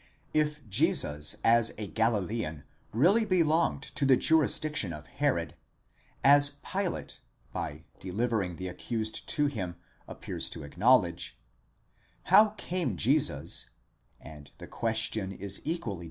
If Jesus as a Galilean really be longed to the jurisdiction of Herod, as Pilate, by delivering the accused to him, appears to acknowledge : how came Jesus (and the question is equally Τ᾿ Comp.